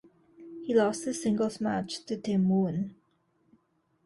He lost his singles match to Tim Woon.